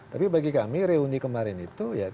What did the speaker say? tapi bagi kami reuni kemarin itu ya